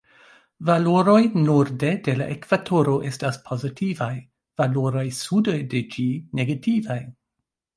Valoroj norde de la ekvatoro estas pozitivaj, valoroj sude de ĝi negativaj.